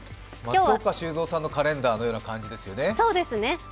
松岡修造さんのカレンダーのようですね。